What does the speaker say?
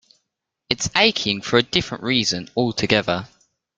It's aching for a different reason altogether.